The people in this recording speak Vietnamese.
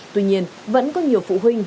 tuy nhiên vẫn có nhiều phụ huynh